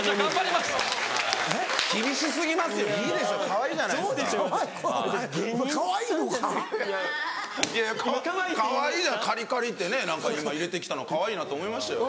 かわいいじゃんカリカリってね今入れて来たのかわいいなと思いましたよ。